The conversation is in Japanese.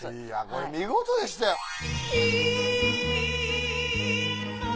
いやこれ見事でしたよ。